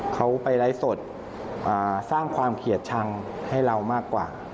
เขาไปไลฟ์สดสร้างความเกลียดชังให้เรามากกว่า